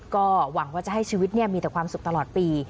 ก็หวังว่าจะให้ชีวิตมีแต่ความสุขตลอดปี